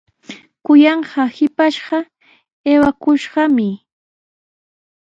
Kuyanqaa shipashqa aywakushqami.